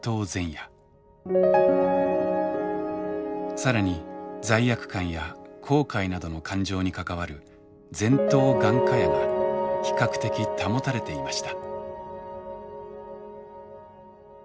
更に罪悪感や後悔などの感情に関わる前頭眼窩野が比較的保たれていました。